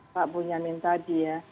pak bu nyamin tadi ya